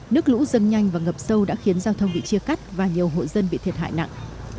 nước lũ dâng nhanh và ngập sâu đã khiến giao thông bị chia cắt và nhiều hộ dân bị thiệt hại nặng